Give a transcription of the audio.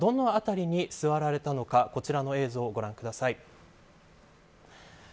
この中、どの辺りに座られたのかこちらの映像をご覧ください。